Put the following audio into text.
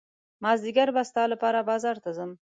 مازدیګر به ستا لپاره بازار ته ځم.